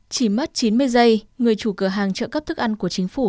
chỉ mất chín mươi giây người chủ cửa hàng trợ cấp thức ăn của chính phủ